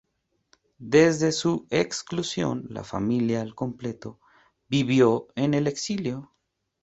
Desde su exclusión, la familia al completo vivió en el exilio.